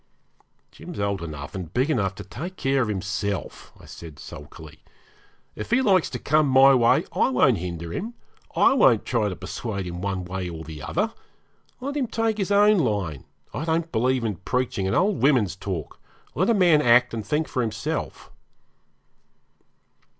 'Jim's old enough and big enough to take care of himself,' I said sulkily. 'If he likes to come my way I won't hinder him; I won't try to persuade him one way or the other. Let him take his own line; I don't believe in preaching and old women's talk. Let a man act and think for himself.'